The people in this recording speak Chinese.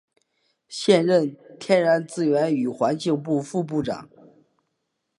现任天然资源与环境部副部长。